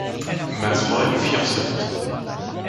Mazerolles, Fiancettes.